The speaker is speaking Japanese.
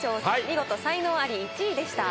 見事才能アリ１位でした。